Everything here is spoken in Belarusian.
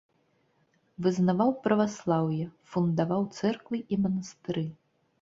Вызнаваў праваслаўе, фундаваў цэрквы і манастыры.